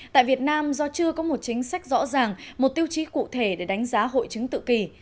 tại việt nam do chưa có một chính sách rõ ràng một tiêu chí cụ thể để đánh giá hội chứng tự kỷ